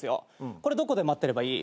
これどこで待ってればいい？